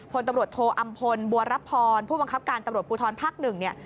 พลตำรวจโทอำพลบัวรับพรผู้บังคับการตำรวจปุธรภักดิ์๑